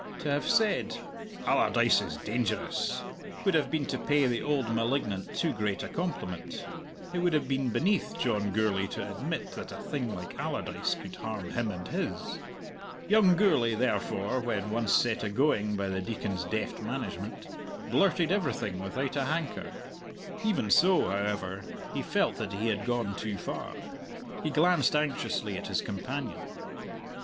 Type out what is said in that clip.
To have said "Allardyce is dangerous" would have been to pay the old malignant too great a compliment; it would have been beneath John Gourlay to admit that a thing like Allardyce could harm him and his. Young Gourlay, therefore, when once set agoing by the Deacon's deft management, blurted everything without a hanker. Even so, however, he felt that he had gone too far. He glanced anxiously at his companion.